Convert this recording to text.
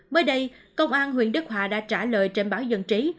mới đây công an huyện đức hòa đã trả lời trên báo dân trí